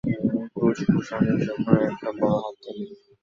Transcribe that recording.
Bridge ভুশানের জন্যে একটা বড় হাততালি।